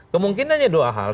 kemungkinannya dua hal